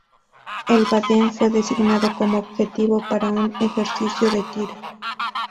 El "Baden" fue designado como objetivo para un ejercicio de tiro.